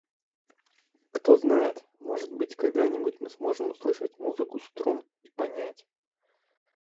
Кто знает, может быть, когда-нибудь мы сможем услышать музыку струн и понять